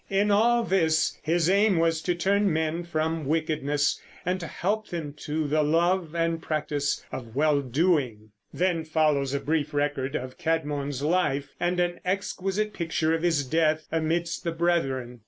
In all this his aim was to turn men from wickedness and to help them to the love and practice of well doing. [Then follows a brief record of Cædmon's life and an exquisite picture of his death amidst the brethren.